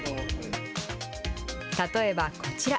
例えばこちら。